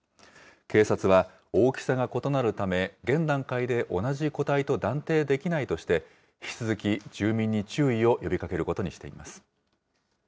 警察は、大きさが異なるため、現段階で同じ個体と断定できないとして、引き続き、住民に注意を呼びかけることにしています。